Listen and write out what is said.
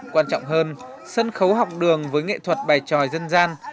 quan trọng hơn sân khấu học đường với nghệ thuật bài tròi dân gian